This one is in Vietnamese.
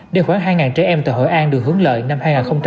để khoảng hai trẻ em tại hội an được hướng lợi năm hai nghìn hai mươi